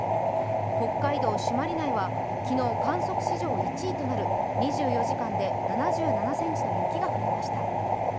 北海道朱鞠内は昨日、観測史上１位となる２４時間で７７ｃｍの雪が降りました。